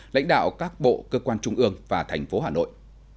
lãnh đạo các bộ cơ quan trung ương và thành phố hà nội